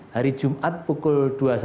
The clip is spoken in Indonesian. hari jumat pukul dua puluh satu tiga puluh